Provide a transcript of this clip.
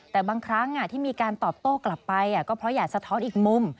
แต่บางครั้งที่มีการตอบโต้กลับไปก็เพราะอยากสะท้อนอีกมุม